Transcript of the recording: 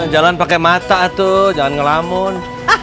jalan pakai mata tuh jangan ngelamun